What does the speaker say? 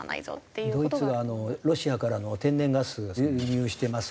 ドイツはロシアからの天然ガスを輸入してます。